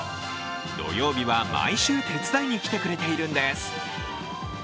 土曜日は毎週手伝いに来てくれているんです。